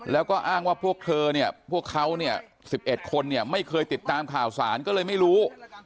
แล้วก็อ้างว่าพวกเขา๑๑คนไม่เคยติดตามข่าวสารก็เลยไม่รู้